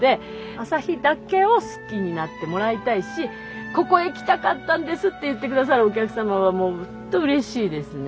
朝日岳を好きになってもらいたいし「ここへ来たかったんです」って言って下さるお客様はもうほんとうれしいですね。